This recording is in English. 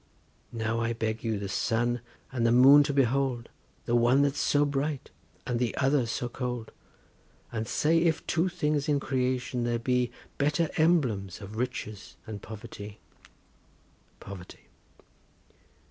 Now I beg you the sun and the moon to behold, The one that's so bright, and the other so cold, And say if two things in creation there be Better emblems of Riches and Poverty. POVERTY.